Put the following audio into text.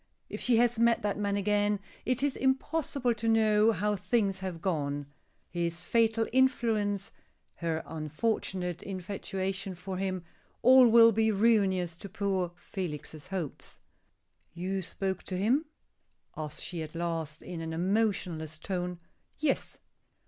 If she has met that man again, it is impossible to know how things have gone. His fatal influence her unfortunate infatuation for him all will be ruinous to poor Felix's hopes. "You spoke to him?" asks she at last, in an emotionless tone. "Yes."